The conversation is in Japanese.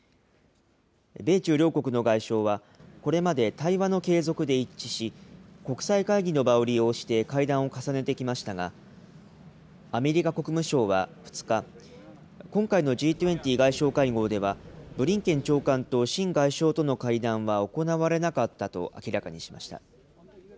米中両国の外相はこれまで対話の継続で一致し、国際会議の場を利用して会談を重ねてきましたが、アメリカ国務省は２日、今回のＧ２０外相会合では、ブリンケン長官と秦外相との会談は行われなかったと明らかにしました。